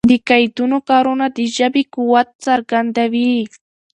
د قیدونو کارونه د ژبي قوت څرګندوي.